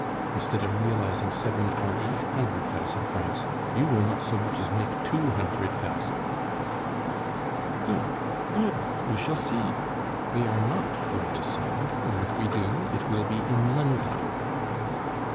Instead of realizing seven or eight hundred thousand francs, you will not so much as make two hundred thousand." "Good, good, we shall see. We are not going to sell; or if we do, it will be in London."